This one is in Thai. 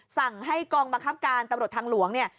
สั่งให้กองบังคับการตำรวจทางหลวงเนี่ย